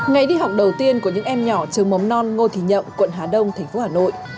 ngay đi học đầu tiên của những em nhỏ trường mấm non ngô thí nhậm quận hà đông tp hà nội